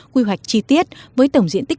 quy hoạch chi tiết với tổng diện tích